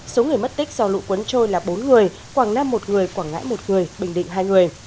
số người mất tích do lũ cuốn trôi là bốn người quảng nam một người quảng ngãi một người bình định hai người